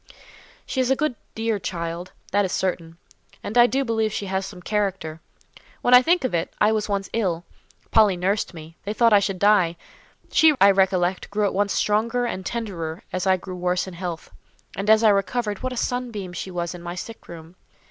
"She is a good, dear child, that is certain; and I do believe she has some character. When I think of it, I was once ill; Polly nursed me; they thought I should die; she, I recollect, grew at once stronger and tenderer as I grew worse in health. And as I recovered, what a sunbeam she was in my sick room!